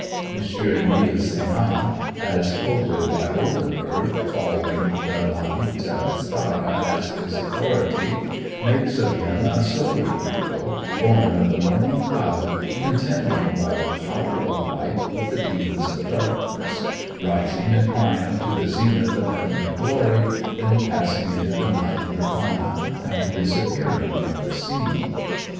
M. Emile Senart, as quoted by Oldenberg, following the Lalita Vistara as his authority, makes of him a solar hero, born of the morning cloud, contending by the power of light with the demons of darkness, rising in triumph to the zenith of heavenly glory, then passing into the night of Nirvana and disappearing from the scene.